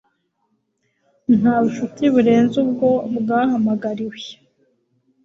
nta bucuti burenze ubwo bwahamagariwe